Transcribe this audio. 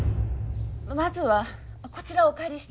まずはこちらをお借りして。